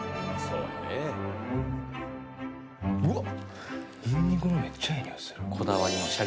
うわっ